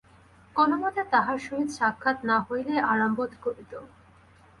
কোনোমতে তাঁহার সহিত সাক্ষাৎ না হইলেই আরাম বোধ করিত।